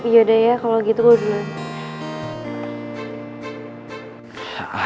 yaudah ya kalo gitu gue duluan